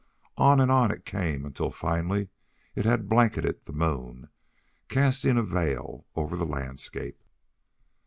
On and on it came until finally it had blanketed the moon, casting a veil over the landscape.